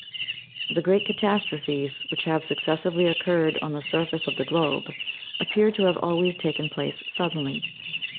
The great catastrophes which have successively opcurred on the surface of the globe appear to have always taken place suddenly.